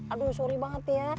aduh sorry banget ya